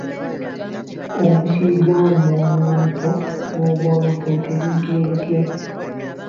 Omusiri gwa lumonde omuto n'ogw'amatooke guyitibwa gutya?